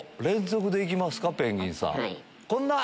連続で行きますかペンギンさん。